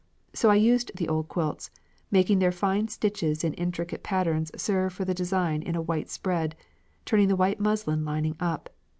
So I used the old quilts, making their fine stitches in intricate patterns serve for the design in a 'white spread,' turning the white muslin lining up.